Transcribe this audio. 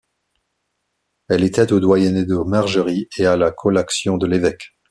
Elle était au doyenné de Margerie et à la collaction de l'évêque.